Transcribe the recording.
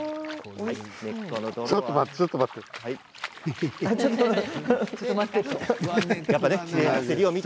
ちょっと待ってちょっと待って。